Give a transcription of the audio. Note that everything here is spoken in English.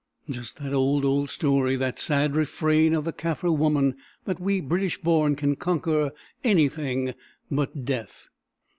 Just that old, old story—that sad refrain of the Kaffir woman that we British born can conquer anything but Death.